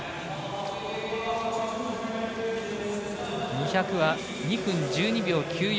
２００は２分１２秒９４。